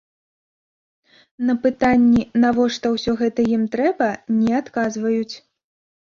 На пытанні, навошта ўсё гэта ім трэба, не адказваюць.